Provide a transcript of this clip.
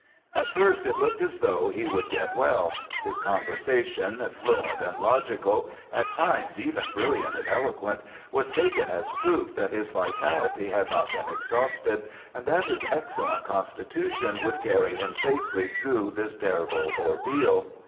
At first it looked as though he would get well. His conversation, fluent and logical, at times even brilliant and eloquent, was taken as proof that his vitality had not been exhausted, and that his excellent constitution would carry him safely through this terrible ordeal.